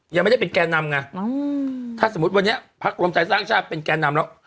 ยังไม่ได้เป็นแก่นำไงถ้าสมมุติวันนี้พักรวมไทยสร้างชาติเป็นแก่นำแล้ว